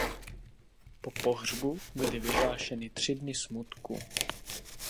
Po pohřbu byly vyhlášeny tři dny smutku.